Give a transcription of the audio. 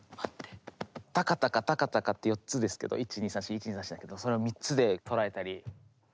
「タカタカタカタカ」って４つですけど１・２・３・４・１・２・３・４だけどそれを３つで捉えたり。